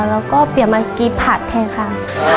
เราก็เปลี่ยนมากรีบผัดแทนค่ะ